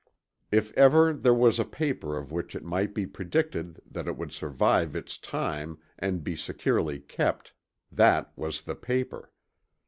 If ever there was a paper of which it might be predicted that it would survive its time and be securely kept, that was the paper.